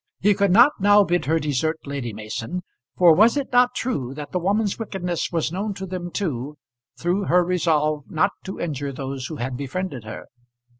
He could not now bid her desert Lady Mason: for was it not true that the woman's wickedness was known to them two, through her resolve not to injure those who had befriended her?